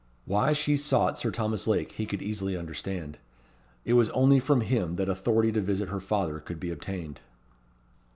Why she sought Sir Thomas Lake he could easily understand. It was only from him that authority to visit her father could be obtained.